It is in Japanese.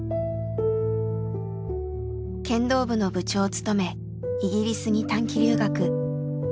剣道部の部長を務めイギリスに短期留学。